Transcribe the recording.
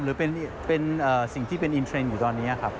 หรือเป็นสิ่งที่เป็นอินเทรนด์อยู่ตอนนี้ครับ